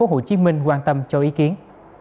hồ chí minh quan tâm cho ý kiến